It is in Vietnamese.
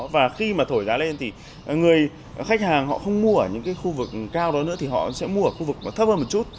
và khi mà thổi giá lên thì người khách hàng họ không mua ở những cái khu vực cao đó nữa thì họ sẽ mua ở khu vực thấp hơn một chút